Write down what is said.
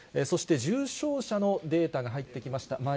そして重症者のデータが入ってきました。